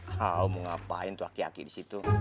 wow mau ngapain tuh aki aki di situ